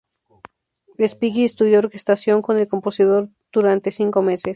Respighi estudió orquestación con el compositor durante cinco meses.